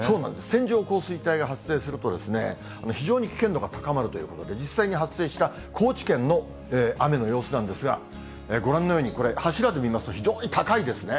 線状降水帯が発生すると、非常に危険度が高まるということで、実際に発生した高知県の雨の様子なんですが、ご覧のように、これ、柱で見ますと、非常に高いですね。